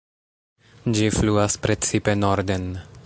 Ĝi fluas precipe norden.